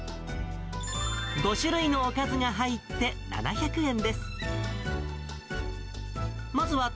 ５種類のおかずが入って７００円です。